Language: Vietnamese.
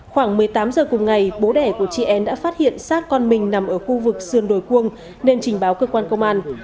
khoảng một mươi tám giờ cùng ngày bố đẻ của chị en đã phát hiện sát con mình nằm ở khu vực sườn đồi cuông nên trình báo cơ quan công an